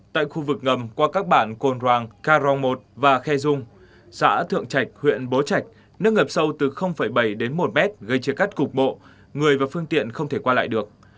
tại khu vực ngầm qua các bản cồn hoàng ca rong một và khe dung xã thượng trạch huyện bố trạch nước ngập sâu từ bảy đến một mét gây chia cắt cục bộ người và phương tiện không thể qua lại được